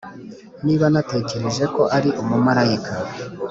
niba natekereje ko ari umumarayika,